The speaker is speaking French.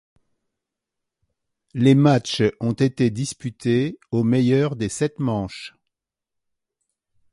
Les matchs ont été disputés au meilleur des sept manches.